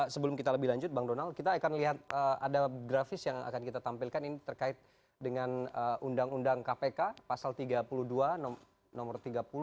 sebelum kita lebih lanjut bang donald kita akan lihat ada grafis yang akan kita tampilkan ini terkait dengan undang undang kpk pasal tiga puluh dua nomor tiga puluh